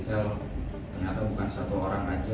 ternyata bukan satu orang saja